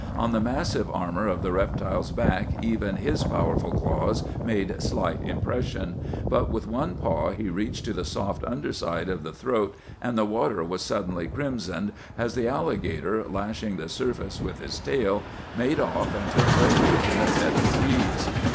On the massive armor of the reptile's back even his powerful claws made slight impression; but with one paw he reached to the soft under side of the throat, and the water was suddenly crimsoned, as the alligator, lashing the surface with his tail, made off and took refuge in a bed of reeds.